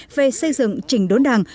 về xây dựng trình đốn đảng